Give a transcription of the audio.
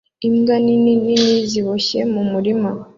Imbwa nini nini ziboshye mu murima